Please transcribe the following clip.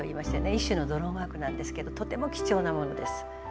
一種のドローワークなんですけどとても貴重なものです。